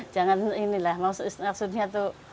jangan ini lah maksudnya tuh